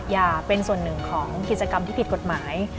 อย่าเป็นส่วนหนึ่งของกิจกรรมที่ผิดกฎหมาย